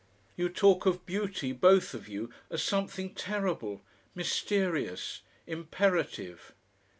You talk of beauty, both of you, as something terrible, mysterious, imperative.